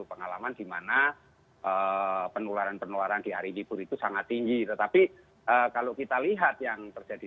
pengalaman di mana penularan penularan di hari hibur itu sangat tinggi